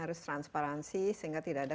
harus transparansi sehingga tidak ada